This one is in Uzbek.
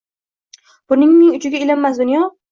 Burningning uchiga ilinmas dunyo!